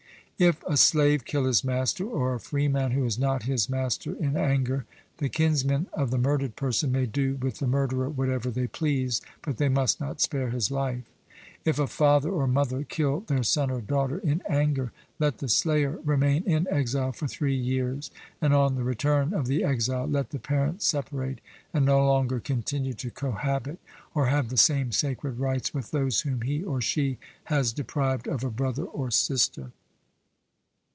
If a slave kill his master, or a freeman who is not his master, in anger, the kinsmen of the murdered person may do with the murderer whatever they please, but they must not spare his life. If a father or mother kill their son or daughter in anger, let the slayer remain in exile for three years; and on the return of the exile let the parents separate, and no longer continue to cohabit, or have the same sacred rites with those whom he or she has deprived of a brother or sister.